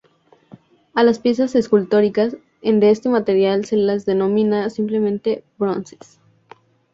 A las piezas escultóricas de este material se las denomina simplemente "bronces".